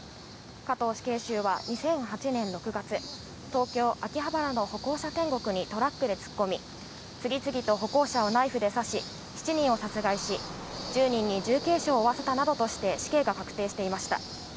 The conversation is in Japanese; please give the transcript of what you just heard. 加藤死刑囚は２００８年６月、東京・秋葉原の歩行者天国にトラックで突っ込み、次々と歩行者をナイフで刺し７人を殺害し、１０人に重軽傷を負わせたなどとして死刑が確定していました。